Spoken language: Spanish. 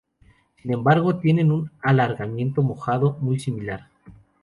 Sin embargo, tienen un alargamiento mojado muy similar.